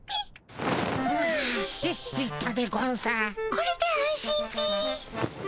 これで安心っピィ。